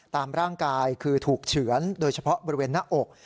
ตามร่างกายคือถูกเฉือนโดยเฉพาะบริเวณหน้าอก